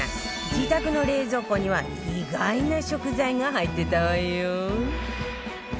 自宅の冷蔵庫には意外な食材が入ってたわよ